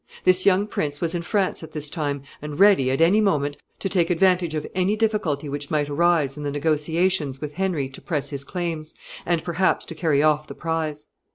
This young prince was in France at this time, and ready, at any moment, to take advantage of any difficulty which might arise in the negotiations with Henry to press his claims, and, perhaps, to carry off the prize.